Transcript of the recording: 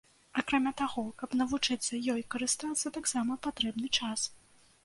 Акрамя таго, каб навучыцца ёй карыстацца, таксама патрэбны час.